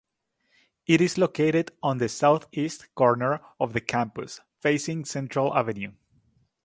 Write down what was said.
It is located on the southeast corner of the campus, facing Central Avenue.